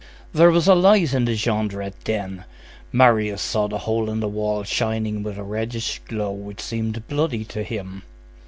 There was a light in the Jondrette den. Marius saw the hole in the wall shining with a reddish glow which seemed bloody to him.